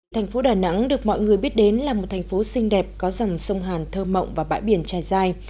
thành phố đà nẵng được mọi người biết đến là một thành phố xinh đẹp có dòng sông hàn thơ mộng và bãi biển trải dài